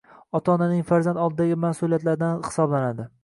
Ota-onaning farzand oldidagi masʼuliyatlaridan hisoblanadi.